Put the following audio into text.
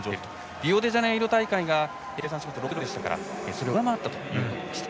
リオデジャネイロ大会が６６でしたからそれを上回ったことになりました。